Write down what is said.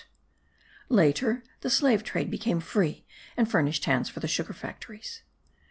later the slave trade became free and furnished hands for the sugar factories.